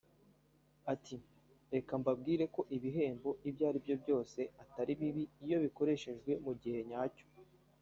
Ati “Reka mbabwire ko ibihembo ibyo ari byo byose atari bibi iyo bikoreshejwe mu gihe nyacyo